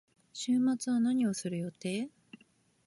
週末は何をする予定？